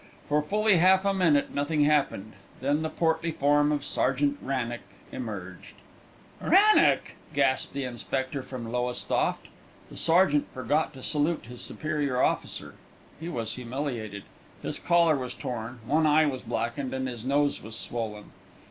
For fully half a minute nothing happened; then the portly form of Sergeant Wrannock emerged. "Wrannock!" gasped the inspector from Lowestoft. The sergeant forgot to salute his superior officer. He was humiliated. His collar was torn, one eye was blackened, and his nose was swollen.